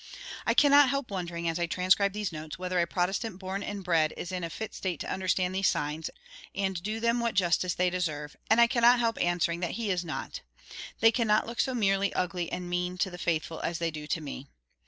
I cannot help wondering, as I transcribe these notes, whether a Protestant born and bred is in a fit state to understand these signs, and do them what justice they deserve; and I cannot help answering that he is not. They cannot look so merely ugly and mean to the faithful as they do to me.